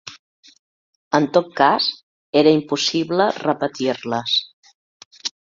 En tot cas, era impossible repetir-les.